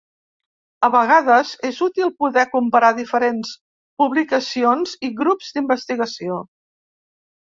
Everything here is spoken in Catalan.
A vegades és útil poder comparar diferents publicacions i grups d'investigació.